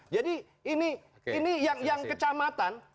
jadi ini yang kecamatan